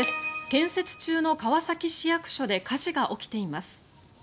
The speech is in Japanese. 建設中の川崎市役所で火事が起きています。